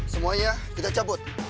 semuanya kita cabut